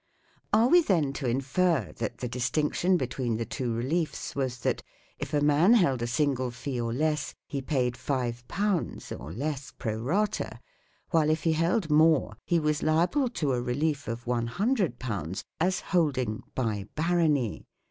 Are we then to infer that the distinction between the two reliefs was that, if a man held a single fee or less, he paid 5 (or less pro raid}, while if he held more, he was liable to a relief of 100 as holding "by barony